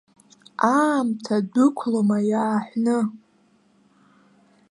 Аамҭа дәықәлома иааҳәны!